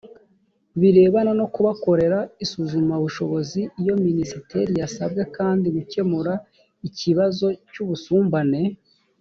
birebana no kubakorera isuzumabushobozi iyo minisiteri yasabwe kandi gukemura ikibazo cy ubusumbane